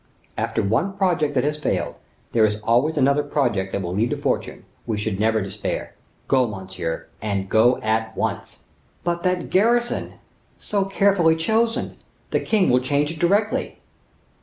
"After one project that has failed, there is always another project that may lead to fortune; we should never despair. Go, monsieur, and go at once." "But that garrison, so carefully chosen, the king will change it directly."